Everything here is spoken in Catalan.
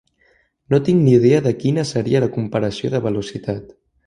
No tinc ni idea de quina seria la comparació de velocitat.